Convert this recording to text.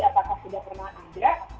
apakah sudah pernah ada